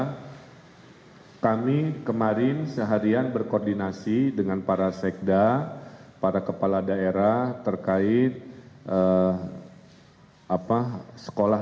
hai kami kemarin seharian berkoordinasi dengan para sekda para kepala daerah terkait apa sekolah